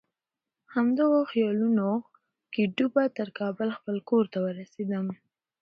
همدغو خیالونو کې ډوبه تر کابل خپل کور ته ورسېدم.